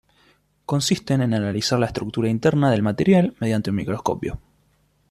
Consisten en analizar la estructura interna del material mediante un microscopio.